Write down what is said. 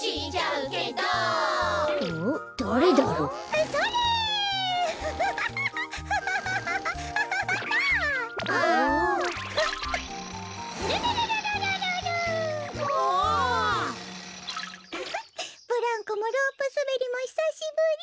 フフッブランコもロープすべりもひさしぶり。